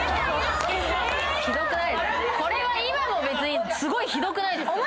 これは今も別にすごいひどくないですか？